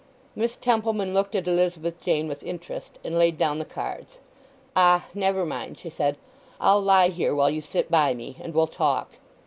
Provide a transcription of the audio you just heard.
Miss Templeman looked at Elizabeth Jane with interest, and laid down the cards. "Ah! never mind," she said. "I'll lie here while you sit by me; and we'll talk."